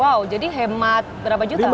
wow jadi hemat berapa juta